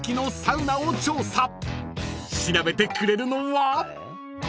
［調べてくれるのは？］